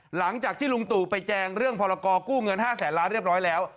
หลังจากที่ลุงตู่ไปแจงเรื่องพรกรกู้เงิน๕แสนล้านเรียบร้อยแล้ว